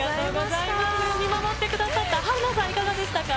見守ってくださった春菜さん、いかがでしたか。